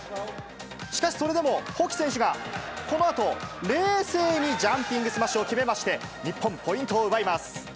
しかし、それでも保木選手が、このあと、冷静にジャンピングスマッシュを決めまして、日本、ポイントを奪います。